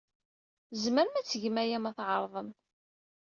Tzemrem ad tgem aya ma tɛerḍem.